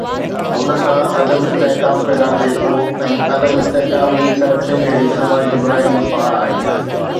ان سان عدم استحڪام پيدا ٿئي ٿو ۽ عدم استحڪام ئي ڪرپشن جھڙي سماجي براين جي پاڙ آهي.